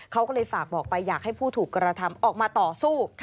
เขาก็เลยฝากบอกไปอยากให้ผู้ถูกกระทำออกมาต่อสู้